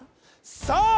さあ